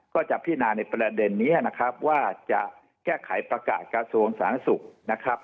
จะพินาในประเด็นนี้นะครับว่าจะแก้ไขประกาศกระทรวงสาธารณสุขนะครับ